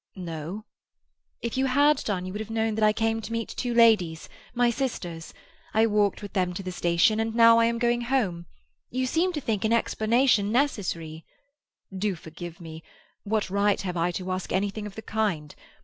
"No." "If you had done, you would have known that I came to meet two ladies, my sisters. I walked with them to the station, and now I am going home. You seem to think an explanation necessary—" "Do forgive me! What right have I to ask anything of the kind?